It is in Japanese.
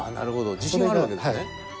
自信はあるわけですね。